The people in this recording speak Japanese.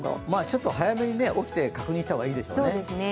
ちょっと早めに起きて確認した方がいいでしょうね。